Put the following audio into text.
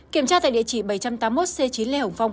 kiểm tra tại địa chỉ bảy trăm tám mươi một c chín lê hồng phong